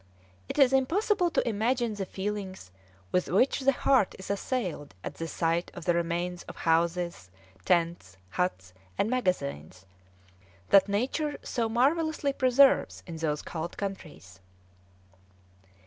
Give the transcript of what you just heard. It is impossible to imagine the feelings with which the heart is assailed at the sight of the remains of houses, tents, huts, and magazines that Nature so marvellously preserves in those cold countries.